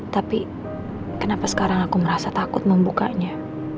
tapi kenapa sekarang aku merasa takut membukanya